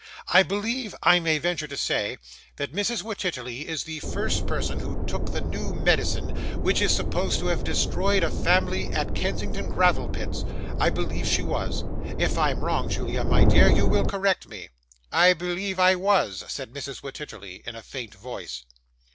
I believe I may venture to say, that Mrs. Wititterly is the first person who took the new medicine which is supposed to have destroyed a family at Kensington Gravel Pits. I believe she was. If I am wrong, Julia, my dear, you will correct me.' 'I believe I was,' said Mrs. Wititterly, in a faint voice.